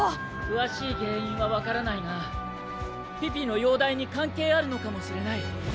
詳しい原因は分からないがピピの容体に関係あるのかもしれない。